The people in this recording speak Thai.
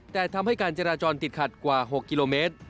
แต่ทำให้การจราจรติดขัดกว่า๖กิโลเมตร